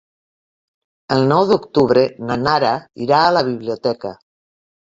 El nou d'octubre na Nara irà a la biblioteca.